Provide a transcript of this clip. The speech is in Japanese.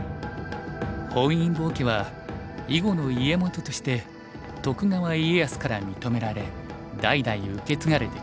本因坊家は囲碁の家元として徳川家康から認められ代々受け継がれてきた。